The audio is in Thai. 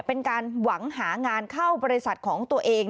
เป็นการหวังหางานเข้าบริษัทของตัวเอง